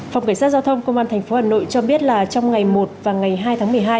phòng cảnh sát giao thông công an tp hà nội cho biết là trong ngày một và ngày hai tháng một mươi hai